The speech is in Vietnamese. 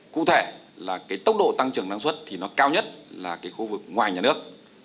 cụ thể là cái tốc độ tăng trưởng năng suất thì nó cao nhất là cái khu vực ngoài nhà nước